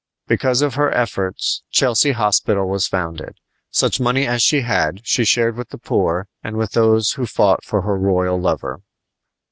Because of her efforts Chelsea Hospital was founded. Such money as she had she shared with the poor and with those who had fought for her royal lover.